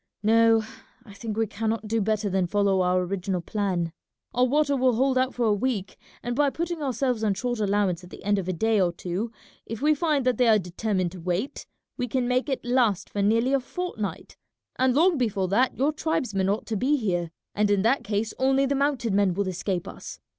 No, I think we cannot do better than follow our original plan. Our water will hold out for a week, and by putting ourselves on short allowance at the end of a day or two if we find that they are determined to wait, we can make it last for nearly a fortnight, and long before that your tribesmen ought to be here, and in that case only the mounted men will escape us.